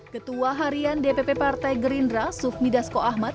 ketua harian dpp partai gerindra sufmi dasko ahmad